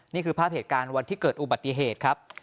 นี่คือภาพเหตุการณ์วันที่เกิดอุบัติเหตุครับ